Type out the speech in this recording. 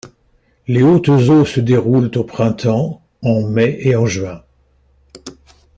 Les hautes eaux se déroulent au printemps, en mai et en juin.